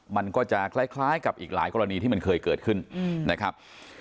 มันก็จะคล้ายกับอีกหลายกรณีที่มันเคยเกิดขึ้นนะครับ